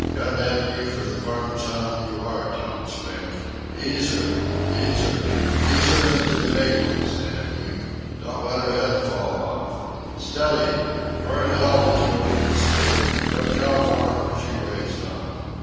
God damn you for the farmer's hound you are, Tom Spink! Ease her! Ease her! Ease her into the big ones, damn you! Don't let her head fall off! Steady! Where in hell did you learn to steer? What cow farm was you raised on?"